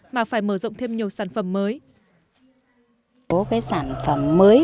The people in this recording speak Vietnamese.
mà phải mở rộng thêm nhiều sản phẩm mới